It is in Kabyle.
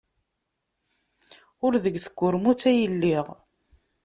Ur deg tkurmut ay lliɣ.